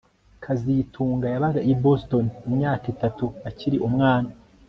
kazitunga yabaga i Boston imyaka itatu akiri umwana